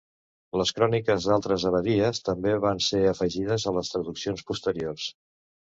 Les cròniques d'altres abadies també van ser afegides a les traduccions posteriors.